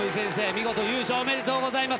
見事優勝おめでとうございます。